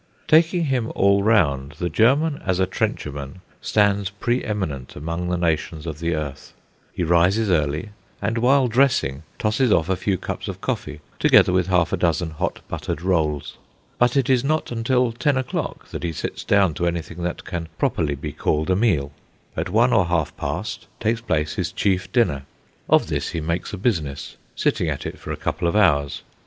Taking him all round, the German as a trencherman stands pre eminent among the nations of the earth. He rises early, and while dressing tosses off a few cups of coffee, together with half a dozen hot buttered rolls. But it is not until ten o'clock that he sits down to anything that can properly be called a meal. At one or half past takes place his chief dinner. Of this he makes a business, sitting at it for a couple of hours.